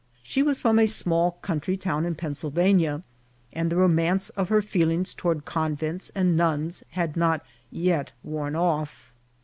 She was from a small country town in Pennsylvania, and the romance of her feelings toward convents and nuns had not yet worn off.